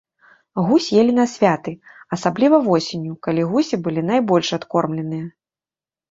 Гусь елі на святы, асабліва восенню, калі гусі былі найбольш адкормленыя.